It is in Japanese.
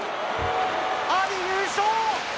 阿炎優勝！